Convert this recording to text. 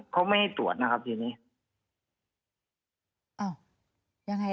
เขาไม่ให้ตรวจนะครับทีนี้